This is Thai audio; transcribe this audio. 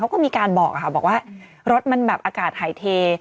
เขาก็มีการบอกค่ะบอกว่ารถมันแบบอากาศหายเท